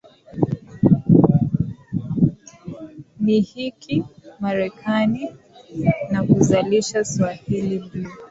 na hiki marekani na kuzalisha swahili blue